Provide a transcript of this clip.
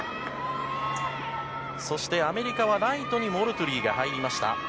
アメリカはライトにモルトゥリーが入りました。